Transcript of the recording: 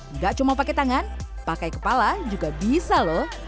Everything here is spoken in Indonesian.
enggak cuma pakai tangan pakai kepala juga bisa lho